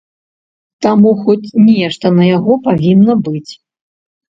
Таму, хоць нешта на яго павінна быць.